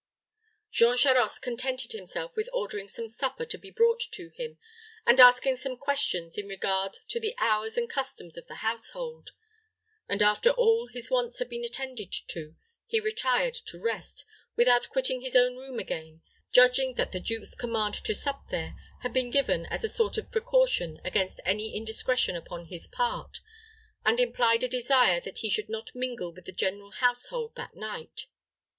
Jean Charost contented himself with ordering some supper to be brought to him, and asking some questions in regard to the hours and customs of the household; and, after all his wants had been attended to, he retired to rest, without quitting his own room again, judging that the duke's command to sup there had been given as a sort of precaution against any indiscretion upon his part, and implied a desire that he should not mingle with the general household that night.